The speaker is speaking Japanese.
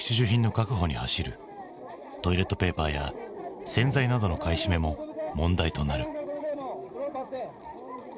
トイレットペーパーや洗剤などの買い占めも問題となる。